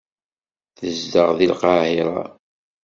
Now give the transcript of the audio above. Tezdeɣ deg Lqahira.